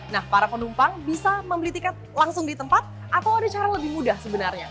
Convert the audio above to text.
nah para penumpang bisa membeli tiket langsung di tempat atau ada cara lebih mudah sebenarnya